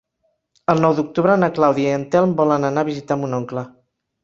El nou d'octubre na Clàudia i en Telm volen anar a visitar mon oncle.